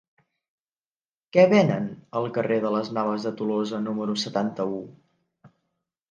Què venen al carrer de Las Navas de Tolosa número setanta-u?